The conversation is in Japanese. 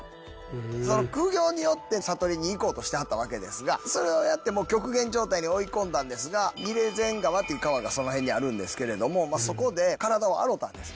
その苦行によって悟りにいこうとしてはったわけですがそれをやってもう極限状態に追い込んだんですが尼連禅河っていう川がその辺にあるんですけれどもそこで体を洗うたんです。